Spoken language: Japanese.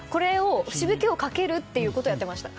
しぶきをかけるということをやっていました。